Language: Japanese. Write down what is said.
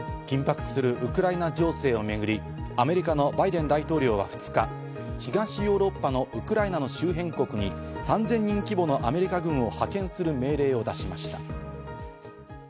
緊迫するウクライナ情勢をめぐり、アメリカのバイデン大統領は２日、東ヨーロッパのウクライナの周辺国に３０００人規模のアメリカ軍を派遣する命令を出しました。